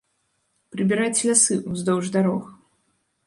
Прыбіраць лясы, уздоўж дарог.